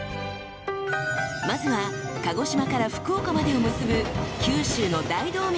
［まずは鹿児島から福岡までを結ぶ九州の大動脈］